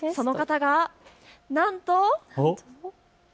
その方がなんと。